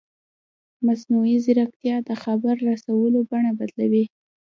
مصنوعي ځیرکتیا د خبر رسولو بڼه بدلوي.